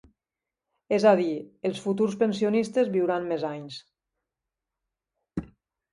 És a dir, els futurs pensionistes viuran més anys.